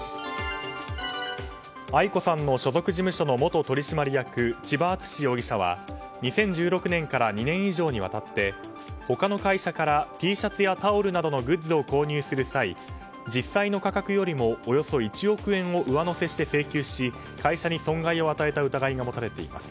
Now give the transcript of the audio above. ａｉｋｏさんの所属事務所の元取締役、千葉篤史容疑者は２０１６年から２年以上にわたって他の会社からＴシャツやタオルなどのグッズを購入する際実際の価格よりもおよそ１億円を上乗せして請求し会社に損害を与えた疑いが持たれています。